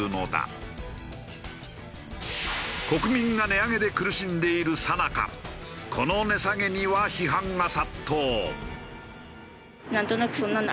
国民が値上げで苦しんでいるさなかこの値下げには批判が殺到。